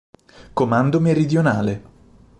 Comando meridionale